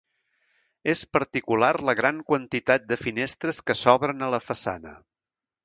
És particular la gran quantitat de finestres que s'obren a la façana.